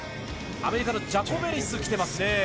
アメリカのジャコベリス、来てますね。